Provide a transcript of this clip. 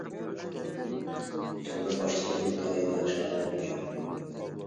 تۈرمە باشلىقى ئىنتايىن ياخشى ئادەم ئىكەن.